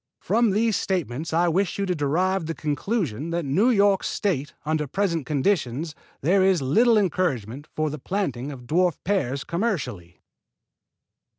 From these statements I wish you to derive the conclusion that in New York State under present conditions there is little encouragement for planting dwarf pears commercially."